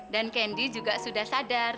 dan candy juga sudah sadar